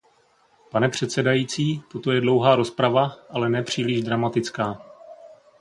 Pane předsedající, toto je dlouhá rozprava, ale ne příliš dramatická.